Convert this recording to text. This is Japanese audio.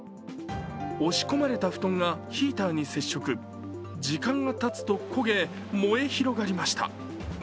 押し込まれた布団がヒーターに接触、時間がたつと焦げ、燃え広がりました。